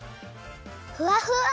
ふわふわ！